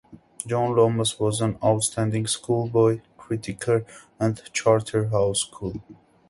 John Lomas was an outstanding schoolboy cricketer at Charterhouse School.